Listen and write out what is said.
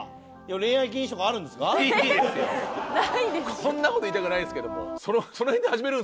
こんな事言いたくないですけども。